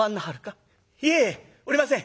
「いえおりません。